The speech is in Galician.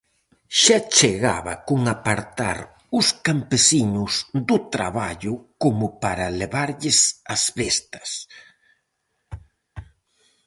Xa chegaba con apartar os campesiños do traballo como para levarlles as bestas!